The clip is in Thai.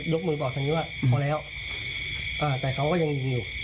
ลดมือบอกฉันอยู่ว่าอืมพอแล้วอ่าแต่เขาก็ยังยิงอยู่